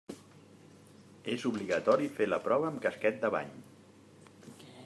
És obligatori fer la prova amb casquet de bany.